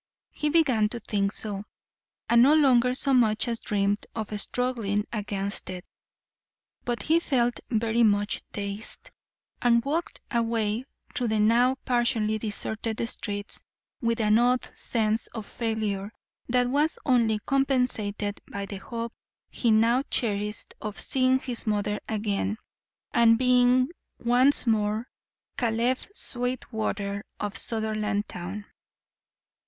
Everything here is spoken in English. He began to think so, and no longer so much as dreamed of struggling against it. But he felt very much dazed, and walked away through the now partially deserted streets with an odd sense of failure that was only compensated by the hope he now cherished of seeing his mother again, and being once more Caleb Sweetwater of Sutherlandtown.